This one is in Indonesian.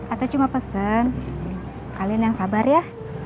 atau cuma pesen kalian yang sabar ya